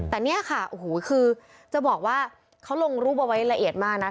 แต่เนี่ยค่ะโอ้โหคือจะบอกว่าเขาลงรูปเอาไว้ละเอียดมากนะ